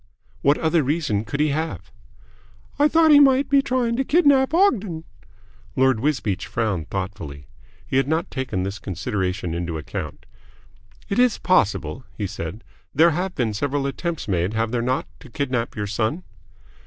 "What other reason could he have?" "I thought he might be trying to kidnap Ogden." Lord Wisbeach frowned thoughtfully. He had not taken this consideration into account. "It is possible," he said. "There have been several attempts made, have there not, to kidnap your son?"